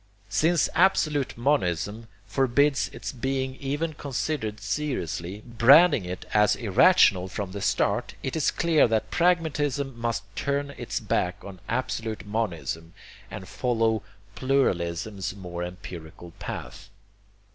Since absolute monism forbids its being even considered seriously, branding it as irrational from the start, it is clear that pragmatism must turn its back on absolute monism, and follow pluralism's more empirical path.